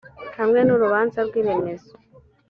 hamwe n urubanza rw iremezo